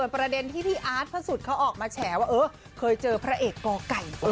ประเด็นที่พี่อาร์ตพระสุทธิ์เขาออกมาแฉว่าเคยเจอพระเอกกไก่